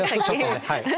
ちょっとね。